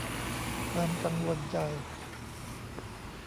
ความกังวลใจ